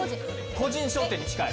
個人商店に近い。